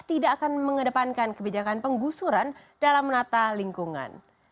tidak akan mengedepankan kebijakan penggusuran dalam menata lingkungan